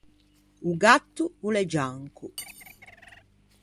O gatto o l’é gianco.